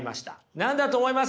何だと思います？